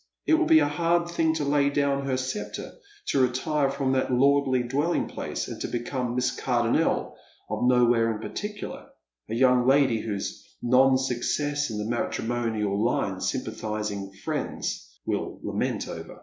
It will be a hard thing, to lay down her Bccptre, to retire from that lordly dwelling place, and to become Miss Cardonnel of nowhere in particular, a young lady whose non success in the matrimonial line sympatliising friends will lament over.